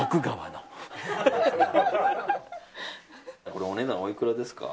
これ、お値段おいくらですか？